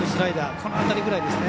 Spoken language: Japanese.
この辺りぐらいですね。